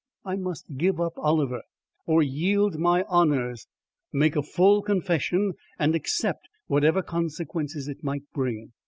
I must give up Oliver; or yield my honours, make a full confession and accept whatever consequences it might bring.